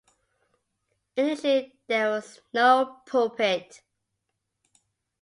Initially there was no pulpit.